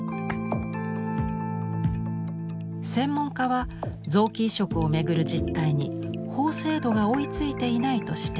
専門家は臓器移植を巡る実態に法制度が追いついていないと指摘。